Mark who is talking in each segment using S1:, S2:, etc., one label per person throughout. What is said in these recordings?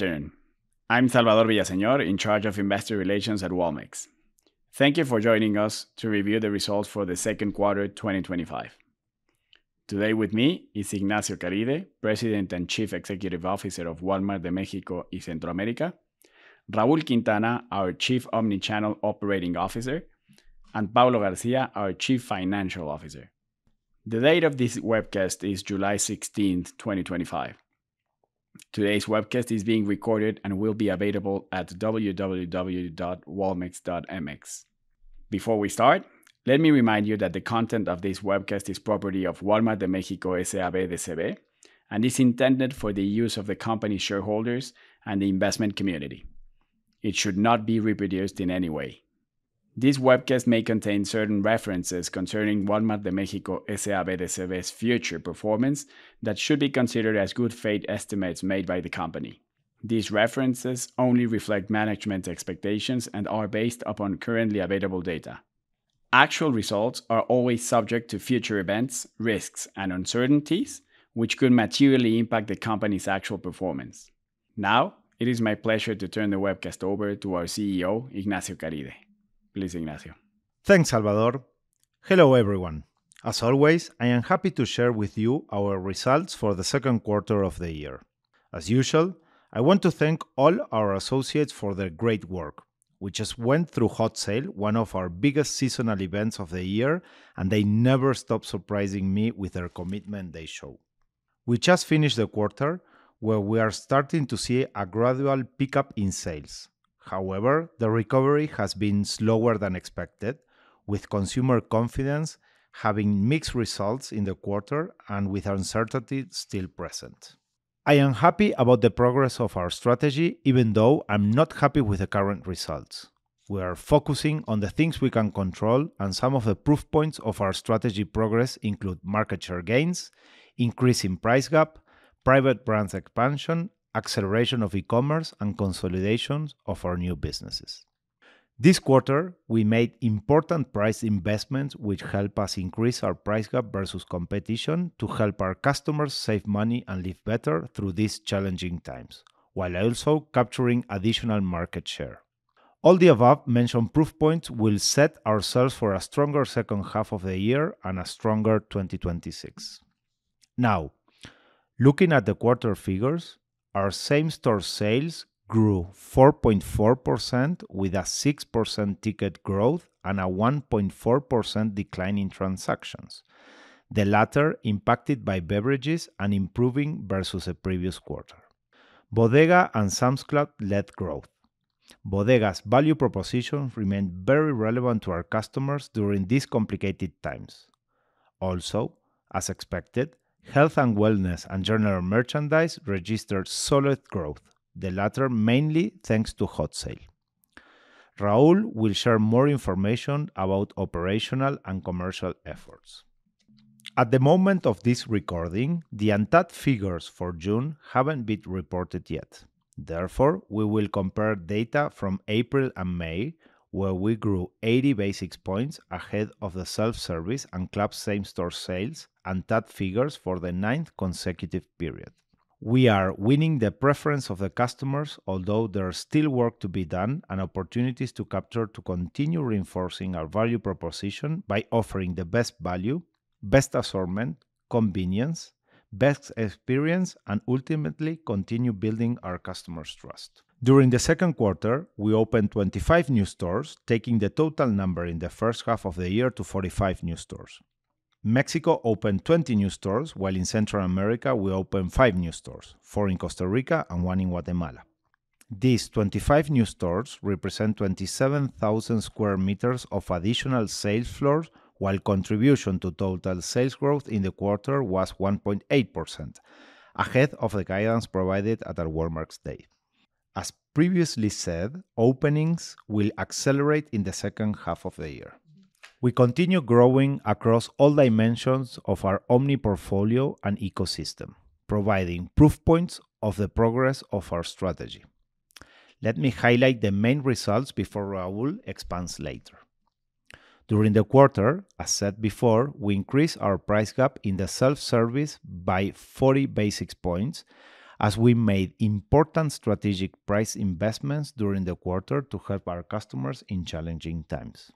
S1: Afternoon. I'm Salvador Villaseñor, in charge of Investor Relations at Wal-Mart. Thank you for joining us to review the results for the second quarter 2025. Today with me is Ignacio Caride, President and Chief Executive Officer of Wal-Mart de México y Centroamérica, Raúl Quintana, our Chief Omnichannel Operating Officer, and Paulo Garcia, our Chief Financial Officer. The date of this webcast is July 16th, 2025. Today's webcast is being recorded and will be available at www.walmart.mx. Before we start, let me remind you that the content of this webcast is property of Wal-Mart de México S.A.B. de C.V. and is intended for the use of the company's shareholders and the investment community. It should not be reproduced in any way. This webcast may contain certain references concerning Wal-Mart de México S.A.B. de C.V.'s future performance that should be considered as good faith estimates made by the company. These references only reflect management expectations and are based upon currently available data. Actual results are always subject to future events, risks, and uncertainties, which could materially impact the company's actual performance. Now, it is my pleasure to turn the webcast over to our CEO, Ignacio Caride. Please, Ignacio.
S2: Thanks, Salvador. Hello everyone. As always, I am happy to share with you our results for the second quarter of the year. As usual, I want to thank all our associates for their great work, which has gone through Hot Sale, one of our biggest seasonal events of the year, and they never stop surprising me with the commitment they show. We just finished the quarter where we are starting to see a gradual pickup in sales. However, the recovery has been slower than expected, with consumer confidence having mixed results in the quarter and with uncertainty still present. I am happy about the progress of our strategy, even though I'm not happy with the current results. We are focusing on the things we can control, and some of the proof points of our strategy progress include market share gains, increase in price gap, private brands expansion, acceleration of e-commerce, and consolidation of our new businesses. This quarter, we made important price investments, which help us increase our price gap versus competition to help our customers save money and live better through these challenging times, while also capturing additional market share. All the above-mentioned proof points will set ourselves for a stronger second half of the year and a stronger 2026. Now, looking at the quarter figures, our same-store sales grew 4.4% with a 6% ticket growth and a 1.4% decline in transactions, the latter impacted by beverages and improving versus the previous quarter. Bodega and Sam's Club led growth. Bodega's value propositions remained very relevant to our customers during these complicated times. Also, as expected, Health and Wellness and General Merchandise registered solid growth, the latter mainly thanks to Hot Sale. Raúl will share more information about operational and commercial efforts. At the moment of this recording, the untapped figures for June have not been reported yet. Therefore, we will compare data from April and May, where we grew 80 basis points ahead of the self-service and club same-store sales untapped figures for the ninth consecutive period. We are winning the preference of the customers, although there is still work to be done and opportunities to capture to continue reinforcing our value proposition by offering the best value, best assortment, convenience, best experience, and ultimately continue building our customers' trust. During the second quarter, we opened 25 new stores, taking the total number in the first half of the year to 45 new stores. Mexico opened 20 new stores, while in Central America we opened 5 new stores, 4 in Costa Rica and 1 in Guatemala. These 25 new stores represent 27,000 sq m of additional sales floors, while contribution to total sales growth in the quarter was 1.8%. Ahead of the guidance provided at our Walmart day. As previously said, openings will accelerate in the second half of the year. We continue growing across all dimensions of our omni portfolio and ecosystem, providing proof points of the progress of our strategy. Let me highlight the main results before Raúl expands later. During the quarter, as said before, we increased our price gap in the self-service by 40 basis points, as we made important strategic price investments during the quarter to help our customers in challenging times.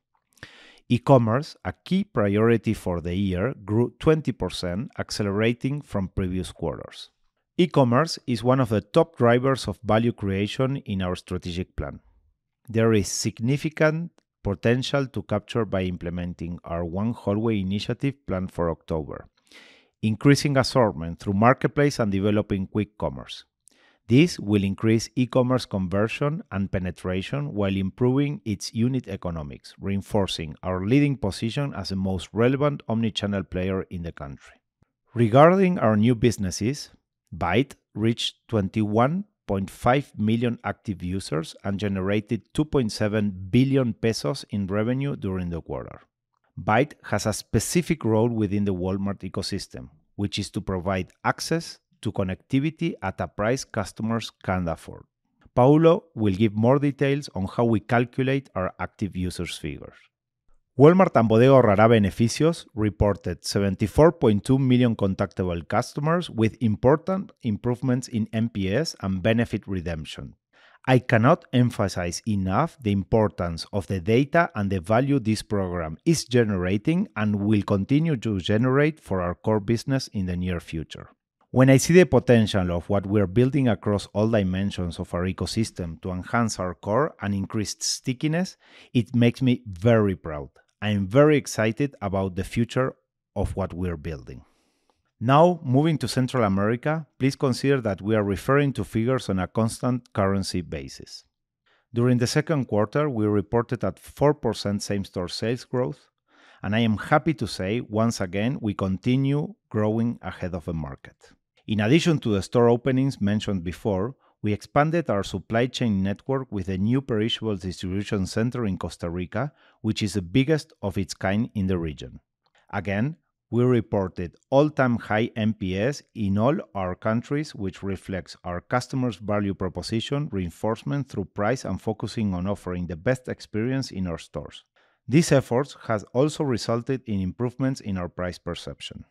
S2: E-commerce, a key priority for the year, grew 20%, accelerating from previous quarters. E-commerce is one of the top drivers of value creation in our strategic plan. There is significant potential to capture by implementing our One Hallway Initiative plan for October, increasing assortment through marketplace and developing quick commerce. This will increase e-commerce conversion and penetration while improving its unit economics, reinforcing our leading position as the most relevant omnichannel player in the country. Regarding our new businesses, BAIT reached 21.5 million active users and generated 2.7 billion pesos in revenue during the quarter. BAIT has a specific role within the Walmart ecosystem, which is to provide access to connectivity at a price customers can afford. Paulo will give more details on how we calculate our active users figures. Walmart and Bodega Aurrera Beneficios reported 74.2 million contactable customers with important improvements in MPS and benefit redemption. I cannot emphasize enough the importance of the data and the value this program is generating and will continue to generate for our core business in the near future. When I see the potential of what we are building across all dimensions of our ecosystem to enhance our core and increase stickiness, it makes me very proud. I am very excited about the future of what we are building. Now, moving to Central America, please consider that we are referring to figures on a constant currency basis. During the second quarter, we reported 4% same-store sales growth, and I am happy to say, once again, we continue growing ahead of the market. In addition to the store openings mentioned before, we expanded our supply chain network with a new perishable distribution center in Costa Rica, which is the biggest of its kind in the region. Again, we reported all-time high MPS in all our countries, which reflects our customers' value proposition reinforcement through price and focusing on offering the best experience in our stores. These efforts have also resulted in improvements in our price perception.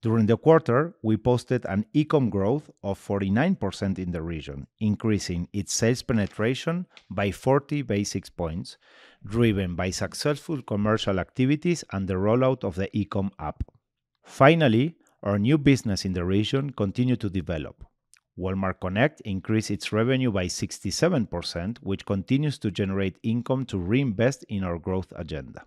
S2: During the quarter, we posted an e-com growth of 49% in the region, increasing its sales penetration by 40 basis points, driven by successful commercial activities and the rollout of the e-com app. Finally, our new business in the region continued to develop. Walmart Connect increased its revenue by 67%, which continues to generate income to reinvest in our growth agenda.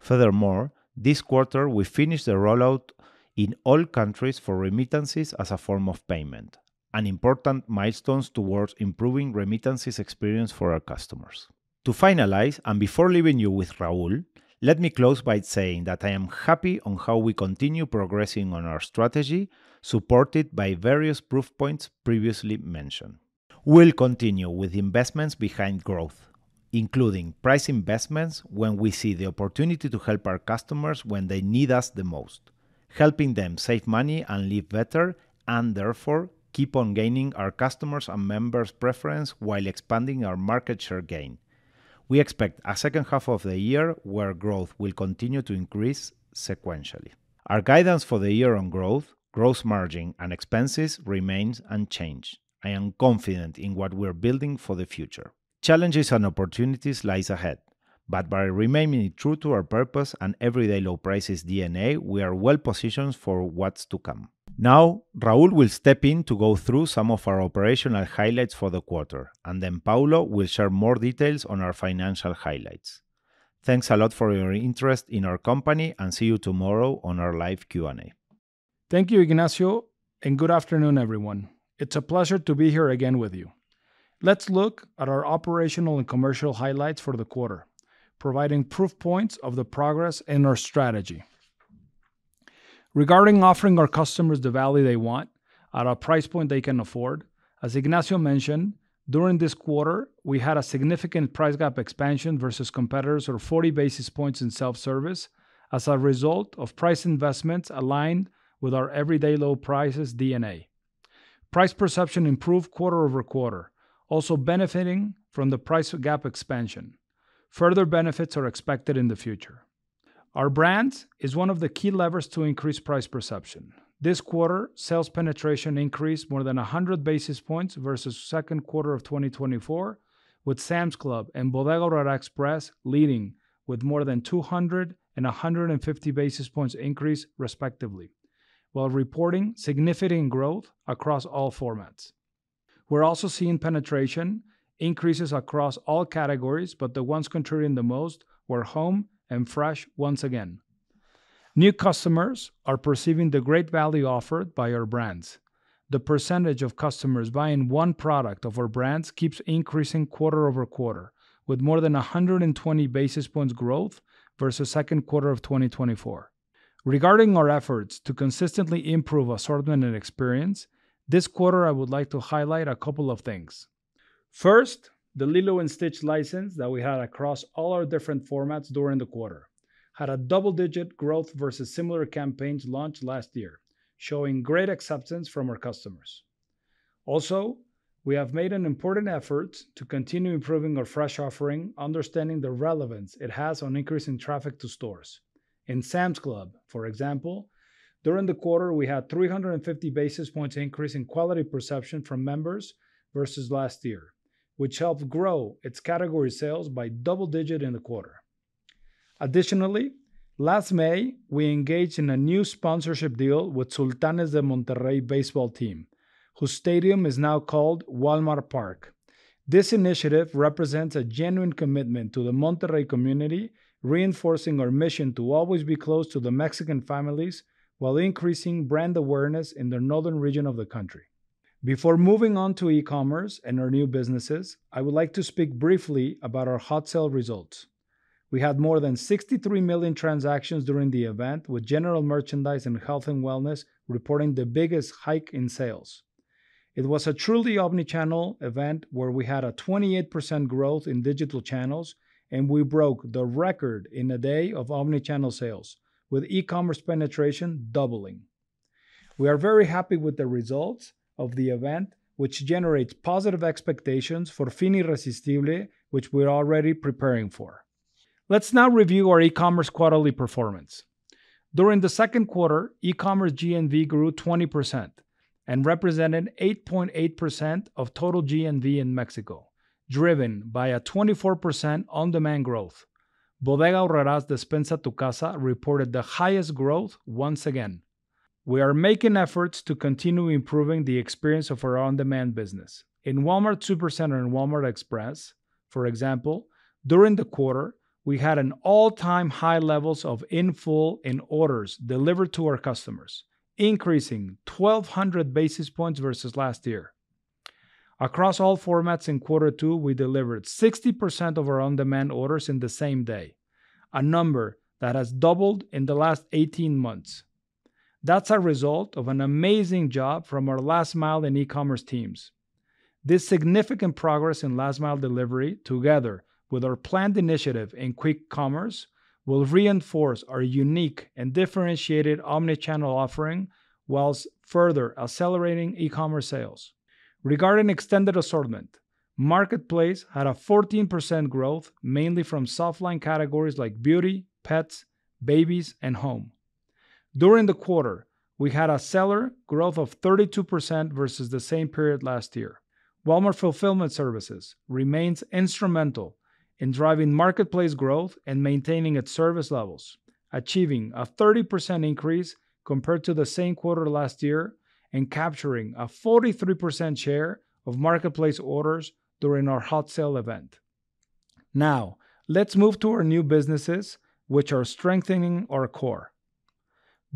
S2: Furthermore, this quarter we finished the rollout in all countries for remittances as a form of payment, an important milestone towards improving remittances experience for our customers. To finalize and before leaving you with Raúl, let me close by saying that I am happy on how we continue progressing on our strategy, supported by various proof points previously mentioned. We will continue with investments behind growth, including price investments when we see the opportunity to help our customers when they need us the most, helping them save money and live better, and therefore keep on gaining our customers' and members' preference while expanding our market share gain. We expect a second half of the year where growth will continue to increase sequentially. Our guidance for the year on growth, gross margin, and expenses remains unchanged. I am confident in what we are building for the future. Challenges and opportunities lie ahead, but by remaining true to our purpose and everyday low prices DNA, we are well positioned for what is to come. Now, Raúl will step in to go through some of our operational highlights for the quarter, and then Paulo will share more details on our financial highlights. Thanks a lot for your interest in our company, and see you tomorrow on our live Q&A.
S3: Thank you, Ignacio, and good afternoon, everyone. It's a pleasure to be here again with you. Let's look at our operational and commercial highlights for the quarter, providing proof points of the progress in our strategy. Regarding offering our customers the value they want at a price point they can afford, as Ignacio mentioned, during this quarter, we had a significant price gap expansion versus competitors of 40 basis points in self-service as a result of price investments aligned with our everyday low prices DNA. Price perception improved quarter over quarter, also benefiting from the price gap expansion. Further benefits are expected in the future. Our brand is one of the key levers to increase price perception. This quarter, sales penetration increased more than 100 basis points versus the second quarter of 2024, with Sam's Club and Bodega Aurrera Express leading with more than 200 and 150 basis points increase, respectively, while reporting significant growth across all formats. We're also seeing penetration increases across all categories, but the ones contributing the most were home and fresh once again. New customers are perceiving the great value offered by our brands. The percentage of customers buying one product of our brands keeps increasing quarter over quarter, with more than 120 basis points growth versus the second quarter of 2024. Regarding our efforts to consistently improve assortment and experience, this quarter, I would like to highlight a couple of things. First, the Lilo & Stitch license that we had across all our different formats during the quarter had a double-digit growth versus similar campaigns launched last year, showing great acceptance from our customers. Also, we have made an important effort to continue improving our fresh offering, understanding the relevance it has on increasing traffic to stores. In Sam's Club, for example, during the quarter, we had 350 basis points increase in quality perception from members versus last year, which helped grow its category sales by double digit in the quarter. Additionally, last May, we engaged in a new sponsorship deal with Sultanes de Monterrey Baseball Team, whose stadium is now called Walmart Park. This initiative represents a genuine commitment to the Monterrey community, reinforcing our mission to always be close to the Mexican families while increasing brand awareness in the northern region of the country. Before moving on to e-commerce and our new businesses, I would like to speak briefly about our Hot Sale results. We had more than 63 million transactions during the event, with General Merchandise and Health and Wellness reporting the biggest hike in sales. It was a truly omnichannel event where we had a 28% growth in digital channels, and we broke the record in a day of omnichannel sales, with e-commerce penetration doubling. We are very happy with the results of the event, which generates positive expectations for Fin Irresistible, which we're already preparing for. Let's now review our e-commerce quarterly performance. During the second quarter, e-commerce G&V grew 20% and represented 8.8% of total G&V in Mexico, driven by a 24% on-demand growth. Bodega Aurrera's Despensa a tu Casa reported the highest growth once again. We are making efforts to continue improving the experience of our on-demand business. In Walmart Supercenter and Walmart Express, for example, during the quarter, we had all-time high levels of infill in orders delivered to our customers, increasing 1,200 basis points versus last year. Across all formats in quarter two, we delivered 60% of our on-demand orders in the same day, a number that has doubled in the last 18 months. That's a result of an amazing job from our last mile and e-commerce teams. This significant progress in last mile delivery, together with our planned initiative in quick commerce, will reinforce our unique and differentiated omnichannel offering whilst further accelerating e-commerce sales. Regarding extended assortment, Marketplace had a 14% growth, mainly from softline categories like beauty, pets, babies, and home. During the quarter, we had a seller growth of 32% versus the same period last year. Walmart Fulfillment Services remains instrumental in driving marketplace growth and maintaining its service levels, achieving a 30% increase compared to the same quarter last year and capturing a 43% share of marketplace orders during our Hot Sale event. Now, let's move to our new businesses, which are strengthening our core.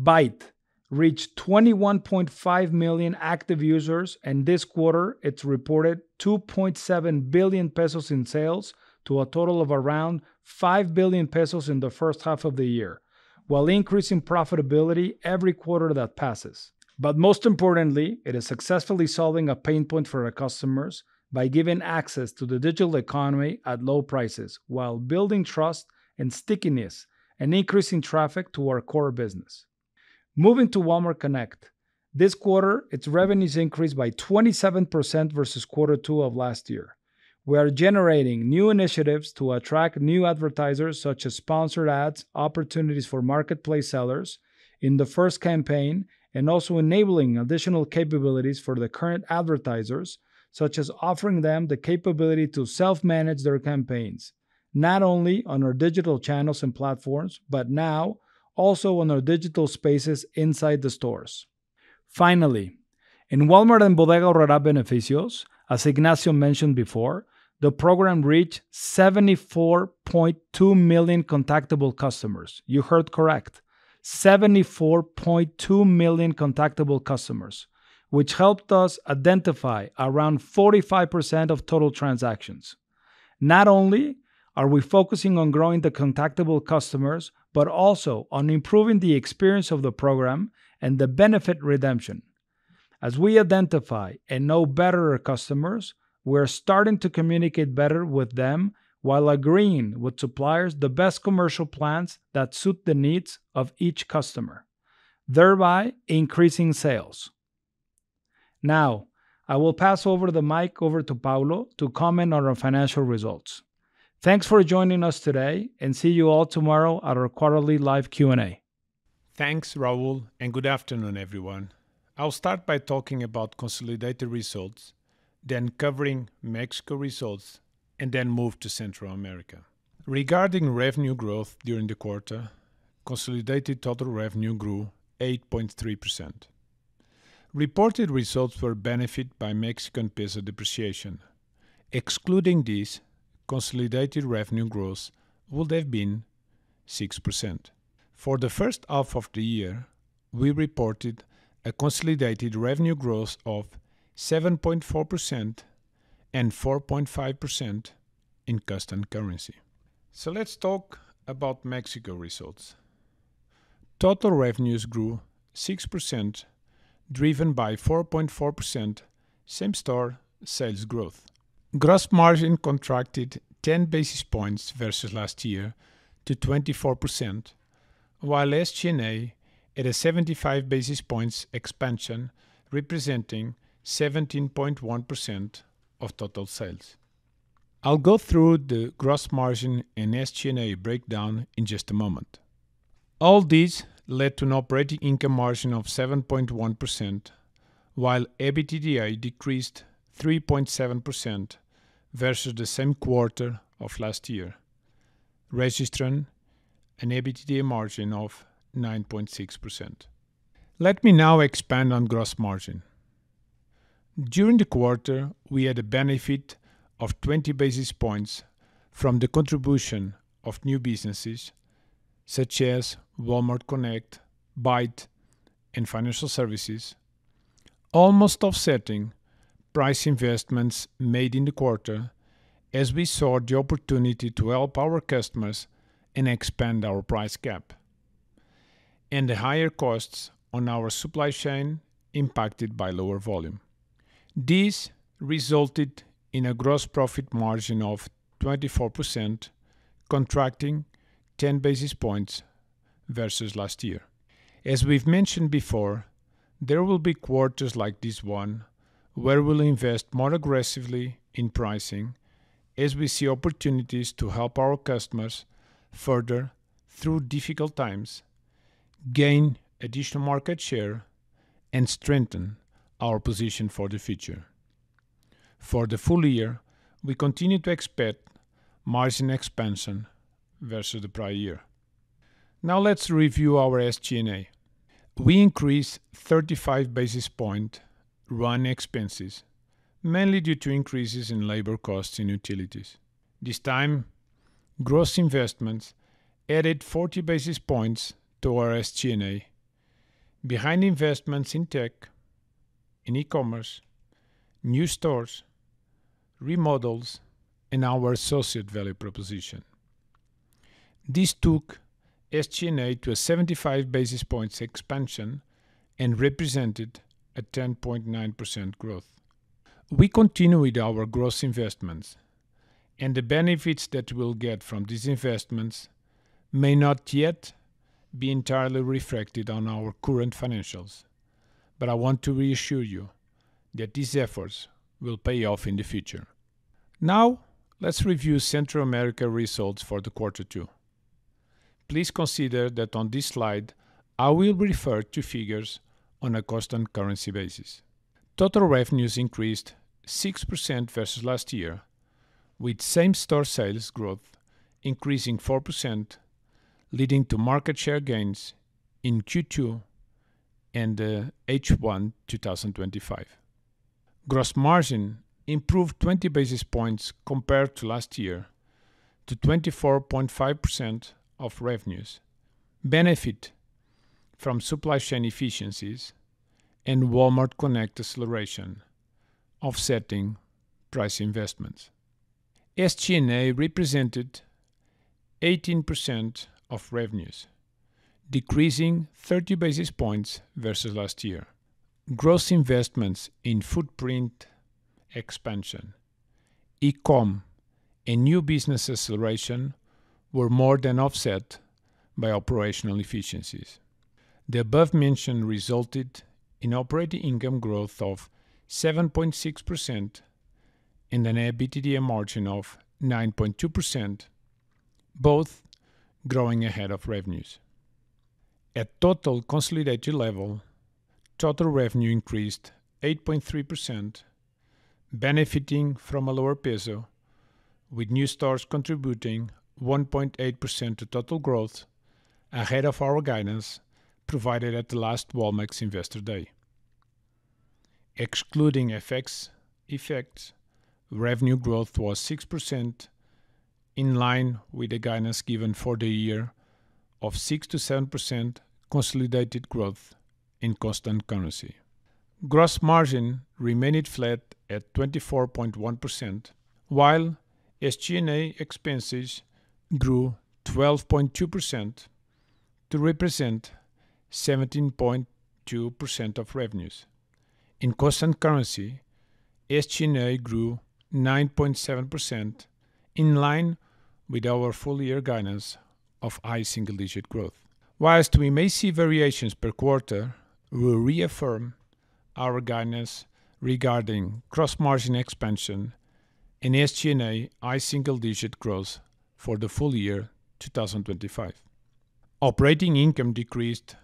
S3: BAIT reached 21.5 million active users and this quarter, it's reported 2.7 billion pesos in sales to a total of around 5 billion pesos in the first half of the year, while increasing profitability every quarter that passes. Most importantly, it is successfully solving a pain point for our customers by giving access to the digital economy at low prices while building trust and stickiness and increasing traffic to our core business. Moving to Walmart Connect, this quarter, its revenues increased by 27% versus quarter two of last year. We are generating new initiatives to attract new advertisers such as sponsored ads, opportunities for marketplace sellers in the first campaign, and also enabling additional capabilities for the current advertisers, such as offering them the capability to self-manage their campaigns, not only on our digital channels and platforms, but now also on our digital spaces inside the stores. Finally, in Walmart and Bodega Aurrera Beneficios, as Ignacio mentioned before, the program reached 74.2 million contactable customers. You heard correct, 74.2 million contactable customers, which helped us identify around 45% of total transactions. Not only are we focusing on growing the contactable customers, but also on improving the experience of the program and the benefit redemption. As we identify and know better our customers, we're starting to communicate better with them while agreeing with suppliers on the best commercial plans that suit the needs of each customer, thereby increasing sales. Now, I will pass over the mic to Paulo to comment on our financial results. Thanks for joining us today and see you all tomorrow at our quarterly live Q&A.
S4: Thanks, Raúl, and good afternoon, everyone. I'll start by talking about consolidated results, then covering Mexico results, and then move to Central America. Regarding revenue growth during the quarter, consolidated total revenue grew 8.3%. Reported results were benefited by Mexican peso depreciation. Excluding these, consolidated revenue growth would have been 6%. For the first half of the year, we reported a consolidated revenue growth of 7.4% and 4.5% in constant currency. Let's talk about Mexico results. Total revenues grew 6%, driven by 4.4% same-store sales growth. Gross margin contracted 10 basis points versus last year to 24%, while SG&A had a 75 basis points expansion, representing 17.1% of total sales. I'll go through the gross margin and SG&A breakdown in just a moment. All these led to an operating income margin of 7.1%, while EBITDA decreased 3.7% versus the same quarter of last year. Registering an EBITDA margin of 9.6%. Let me now expand on gross margin. During the quarter, we had a benefit of 20 basis points from the contribution of new businesses such as Walmart Connect, BAIT, and Financial Services. Almost offsetting price investments made in the quarter as we saw the opportunity to help our customers and expand our price gap. The higher costs on our supply chain impacted by lower volume. These resulted in a gross profit margin of 24%, contracting 10 basis points versus last year. As we've mentioned before, there will be quarters like this one where we'll invest more aggressively in pricing as we see opportunities to help our customers further through difficult times, gain additional market share, and strengthen our position for the future. For the full year, we continue to expect margin expansion versus the prior year. Now let's review our SG&A. We increased 35 basis points. Run expenses, mainly due to increases in labor costs and utilities. This time, gross investments added 40 basis points to our SG&A. Behind investments in tech. In e-commerce, new stores. Remodels, and our associate value proposition. This took SG&A to a 75 basis points expansion and represented a 10.9% growth. We continue with our gross investments, and the benefits that we'll get from these investments may not yet be entirely reflected on our current financials, but I want to reassure you that these efforts will pay off in the future. Now, let's review Central America results for the quarter two. Please consider that on this slide, I will refer to figures on a cost and currency basis. Total revenues increased 6% versus last year, with same store sales growth increasing 4%. Leading to market share gains in Q2. And H1 2025. Gross margin improved 20 basis points compared to last year to 24.5% of revenues, benefit from supply chain efficiencies and Walmart Connect acceleration offsetting price investments. SG&A represented 18% of revenues, decreasing 30 basis points versus last year. Gross investments in footprint expansion, e-commerce, and new business acceleration were more than offset by operational efficiencies. The above-mentioned resulted in operating income growth of 7.6% and an EBITDA margin of 9.2%, both growing ahead of revenues. At total consolidated level, total revenue increased 8.3%, benefiting from a lower peso, with new stores contributing 1.8% to total growth ahead of our guidance provided at the last Walmart Investor Day. Excluding effects, revenue growth was 6%, in line with the guidance given for the year of 6%-7% consolidated growth in cost and currency. Gross margin remained flat at 24.1%, while SG&A expenses grew 12.2% to represent 17.2% of revenues. In cost and currency, SG&A grew 9.7%. In line with our full year guidance of high single digit growth. Whilst we may see variations per quarter, we reaffirm our guidance regarding gross margin expansion and SG&A high single digit growth for the full year 2025. Operating income decreased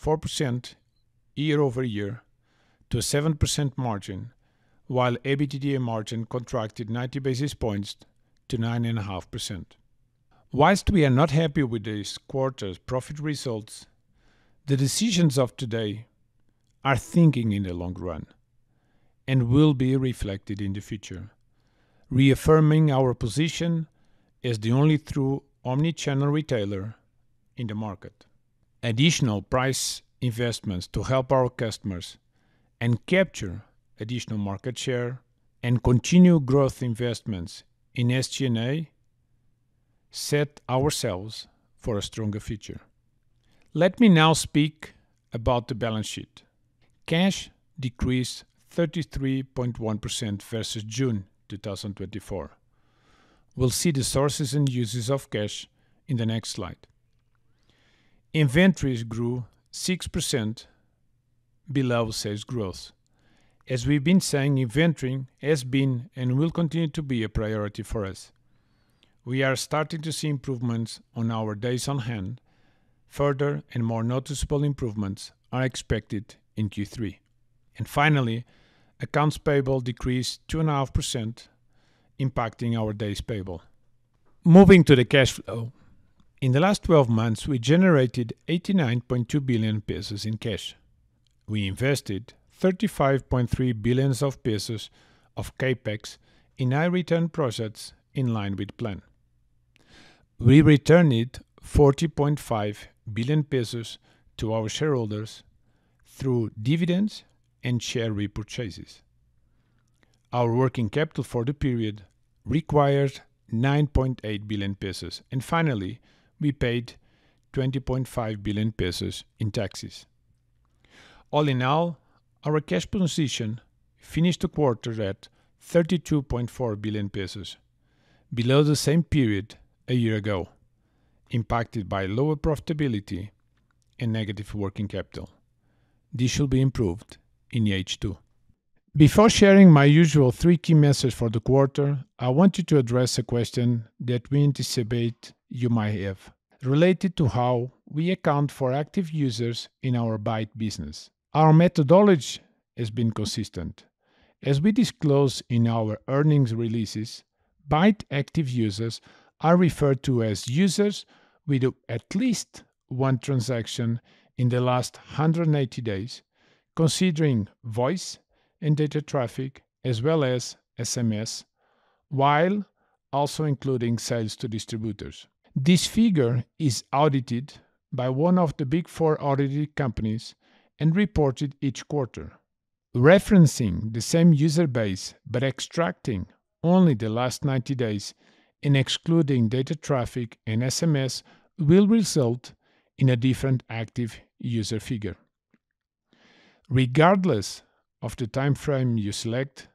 S4: 4% year-over-year to a 7% margin, while EBITDA margin contracted 90 basis points to 9.5%. Whilst we are not happy with this quarter's profit results, the decisions of today are thinking in the long run and will be reflected in the future. Reaffirming our position as the only true omnichannel retailer in the market. Additional price investments to help our customers and capture additional market share and continue growth investments in SG&A set ourselves for a stronger future. Let me now speak about the balance sheet. Cash decreased 33.1% versus June 2024. We'll see the sources and uses of cash in the next slide. Inventories grew 6%, below sales growth. As we have been saying, inventory has been and will continue to be a priority for us. We are starting to see improvements on our days on hand. Further and more noticeable improvements are expected in Q3. Finally, accounts payable decreased 2.5%, impacting our days payable. Moving to the cash flow, in the last 12 months, we generated 89.2 billion pesos in cash. We invested 35.3 billion pesos of CapEx in high return projects in line with plan. We returned 40.5 billion pesos to our shareholders through dividends and share repurchases. Our working capital for the period required 9.8 billion pesos. Finally, we paid 20.5 billion pesos in taxes. All in all, our cash position finished the quarter at 32.4 billion pesos, below the same period a year ago, impacted by lower profitability and negative working capital. This should be improved in the H2. Before sharing my usual three key messages for the quarter, I wanted to address a question that we anticipate you might have related to how we account for active users in our BAiT business. Our methodology has been consistent. As we disclose in our earnings releases, BAIT active users are referred to as users with at least one transaction in the last 180 days, considering voice and data traffic, as well as SMS, while also including sales to distributors. This figure is audited by one of the Big Four audited companies and reported each quarter. Referencing the same user base, but extracting only the last 90 days and excluding data traffic and SMS will result in a different active user figure. Regardless of the timeframe you select,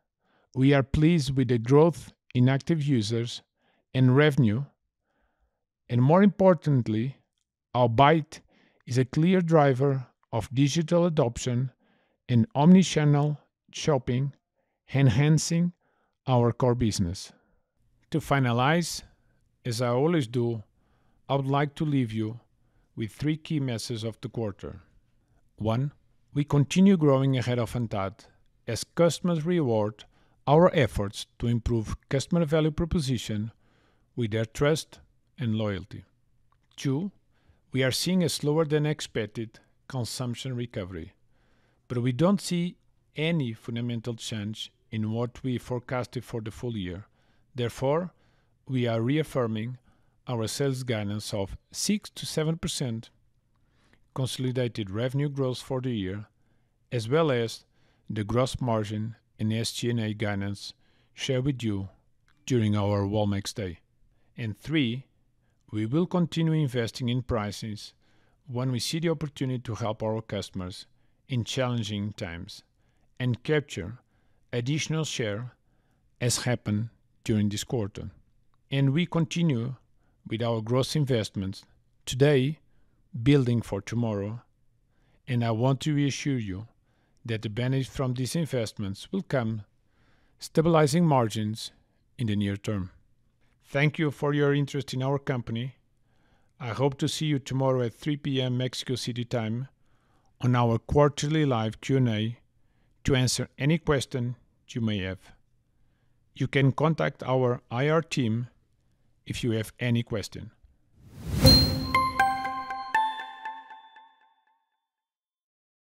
S4: we are pleased with the growth in active users and revenue. More importantly, our BAIT is a clear driver of digital adoption and omnichannel shopping, enhancing our core business. To finalize, as I always do, I would like to leave you with three key messages of the quarter. One, we continue growing ahead of Antad as customers reward our efforts to improve customer value proposition with their trust and loyalty. Two, we are seeing a slower than expected consumption recovery, but we do not see any fundamental change in what we forecasted for the full year. Therefore, we are reaffirming our sales guidance of 6%-7%. Consolidated revenue growth for the year, as well as the gross margin and SG&A guidance shared with you during our Walmart Day. We will continue investing in prices when we see the opportunity to help our customers in challenging times and capture additional share as happened during this quarter. We continue with our gross investments today, building for tomorrow. I want to reassure you that the benefits from these investments will come, stabilizing margins in the near term. Thank you for your interest in our company. I hope to see you tomorrow at 3:00 P.M. Mexico City Time on our quarterly live Q&A to answer any questions you may have. You can contact our IR team if you have any questions.